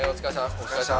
お疲れさん。